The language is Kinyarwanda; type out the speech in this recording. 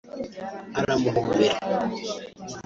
aramuhobera